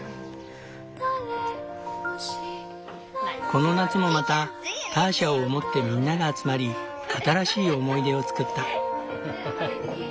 この夏もまたターシャを思ってみんなが集まり新しい思い出を作った。